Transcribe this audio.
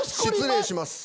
失礼します。